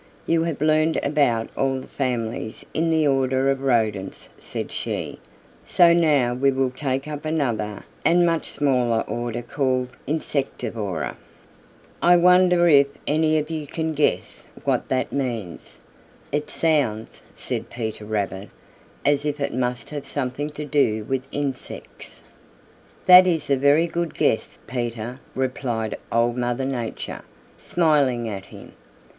"You have learned about all the families in the order of Rodents," said she, "so now we will take up another and much smaller order called Insectivora. I wonder if any of you can guess what that means." "It sounds," said Peter Rabbit, "as if it must have something to do with insects." "That is a very good guess, Peter," replied Old Mother Nature, smiling at him.